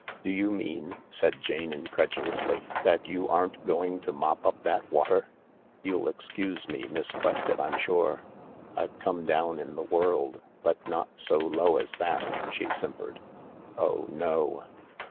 "Do you mean," said Jane incredulously, "that you aren't going to mop up that water ?"" You'll excuse me, Miss Quested, I'm sure. I've come down in the world, but not so low as that," she simpered. "Oh no!"